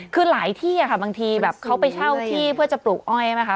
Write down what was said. คือหลายที่ค่ะบางทีแบบเขาไปเช่าที่เพื่อจะปลูกอ้อยไหมคะ